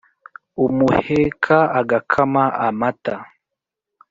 umuheka agakáma a amatá